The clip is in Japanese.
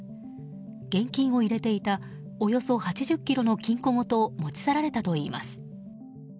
現金を入れていたおよそ８０ｋｇの金庫ごと持ち去られたといいます。